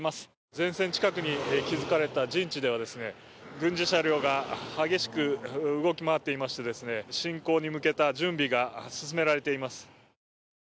前線近くに築かれた陣地では軍事車両が激しく動き回っていまして、侵攻に向けた準備が進められています。